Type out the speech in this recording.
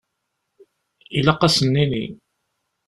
Ilaq ad sen-nini.